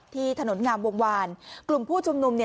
ที่ถนนงามวงวานกลุ่มผู้ชุมนุมเนี่ย